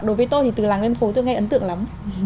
đối với tôi thì từ làng lên phố tôi nghe ấn tượng lắm